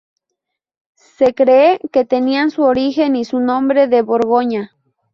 Se cree que traían su origen y su nombre de Borgoña.